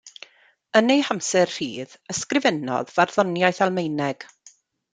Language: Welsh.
Yn ei hamser rhydd, ysgrifennodd farddoniaeth Almaeneg.